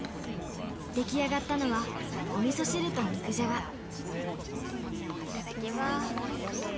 出来上がったのは、おみそ汁と肉いただきます。